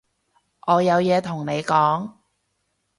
我有嘢同你講